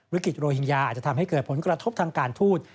โรหิงญาอาจจะทำให้เกิดผลกระทบทางการทูต